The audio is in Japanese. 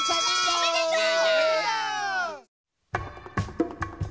おめでとう。